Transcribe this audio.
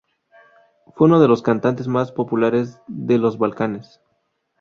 Fue uno de los cantantes más populares de los Balcanes.